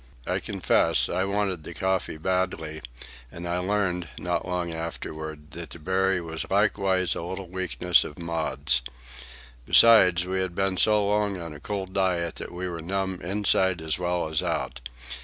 I confess, I wanted the coffee badly; and I learned, not long afterward, that the berry was likewise a little weakness of Maud's. Besides, we had been so long on a cold diet that we were numb inside as well as out.